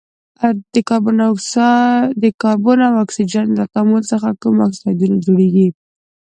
د کاربن او اکسیجن له تعامل څخه کوم اکسایدونه جوړیږي؟